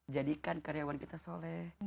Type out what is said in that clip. jadikan karyawan kita soleh